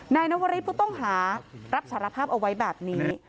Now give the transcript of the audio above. นายนวริสผู้ต้องหารับสารภาพเอาไว้แบบนี้